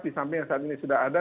di samping yang saat ini sudah ada